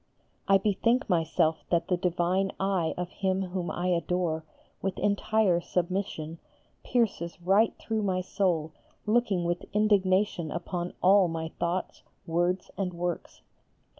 I bethink myself that the divine eye of Him whom I adore, with entire submission, pierces right through my soul looking with indignation upon all my thoughts, words and works.